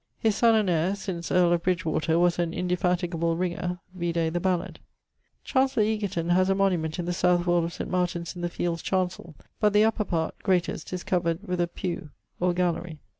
His son and heire, since earle of Bridgewater, was an indefatigable ringer vide the ballad. Chancellor Egerton haz a monument in the south wall of St. Martin's in the fields chancell; but the upper part (greatest) is covered with a pue or gallerie.